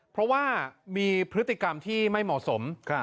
เพราะว่ามีพฤติกรรมที่ไม่เหมาะสม